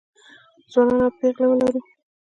ځوانان او پېغلې ولرو